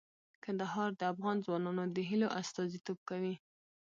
کندهار د افغان ځوانانو د هیلو استازیتوب کوي.